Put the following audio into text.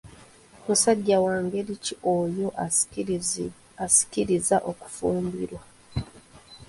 Musajja wa ngeri ki oyo ansikiriza okufumbirwa?